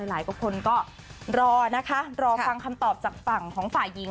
หลายคนก็รอนะคะรอฟังคำตอบจากฝั่งของฝ่ายหญิง